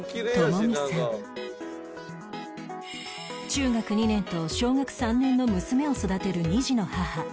中学２年と小学３年の娘を育てる２児の母